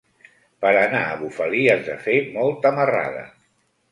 Per anar a Bufali has de fer molta marrada.